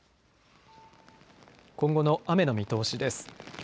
今後の雨の見通しです。